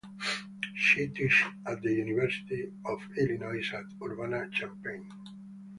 She teaches at the University of Illinois at Urbana–Champaign.